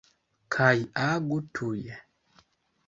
Kaj agu tuj.